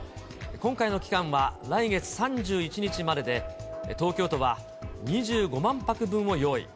今回の期間は、来月３１日までで、東京都は２５万泊分を用意。